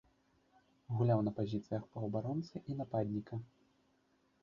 Гуляў на пазіцыях паўабаронцы і нападніка.